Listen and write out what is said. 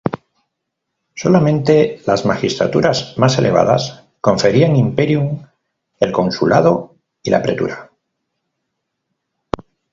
Solamente las magistraturas más elevadas conferían imperium: el consulado y la pretura.